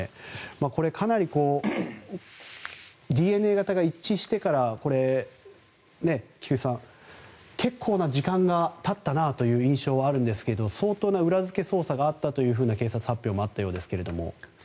これ、かなりＤＮＡ型が一致してから菊地さん結構な時間がたったなという印象があるんですが相当な裏付け捜査があったという警察発表もあったようですが。